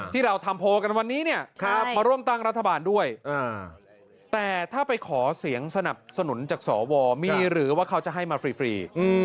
ที่เราทำโพลกันวันนี้เนี่ยมาร่วมตั้งรัฐบาลด้วยแต่ถ้าไปขอเสียงสนับสนุนจากสวมีหรือว่าเขาจะให้มาฟรี